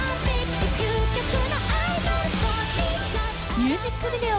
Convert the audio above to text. ミュージックビデオ